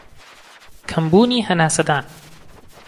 کەمبوونی هەناسەدان